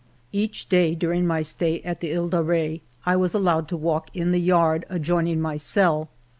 Each day during my stay at the He de Re I was allowed a walk in the yard adjoining my cell.